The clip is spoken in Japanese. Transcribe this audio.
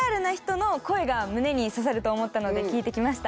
が胸に刺さると思ったので聞いてきました。